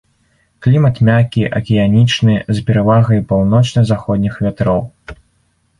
Клімат мяккі акіянічны з перавагай паўночна-заходніх вятроў.